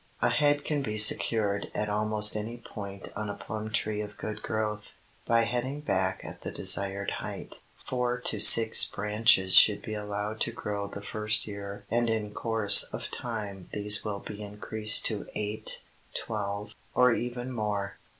A head can be secured at almost any point on a plum tree of good growth, by heading back at the desired height. Four to six branches should be allowed to grow the first year and in course of time these will be increased to eight, twelve, or even more.